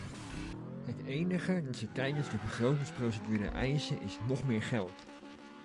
Het enige dat ze tijdens de begrotingsprocedure eisen is nog meer geld!